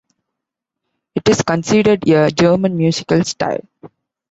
It is considered a German musical style.